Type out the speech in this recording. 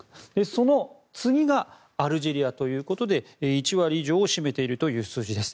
その次がアルジェリアということで１割以上を占めているということです。